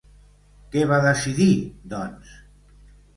Què va decidir, doncs?